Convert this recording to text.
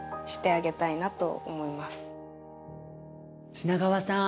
品川さん